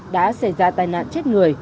đã xảy ra tai nạn chết người